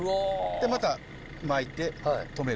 でまた巻いて止める。